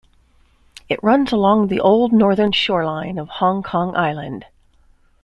It runs along the old northern shoreline of Hong Kong Island.